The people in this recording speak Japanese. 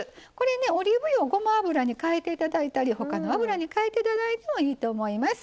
オリーブ油をごま油に変えていただいたり他の油に変えていただいてもいいと思います。